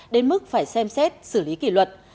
đến mức phải xem xét xử lý kỷ luật